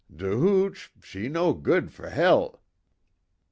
De hooch, she no good for hell!"